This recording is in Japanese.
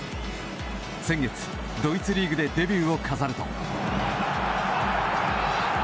先月、ドイツリーグでデビューを飾ると。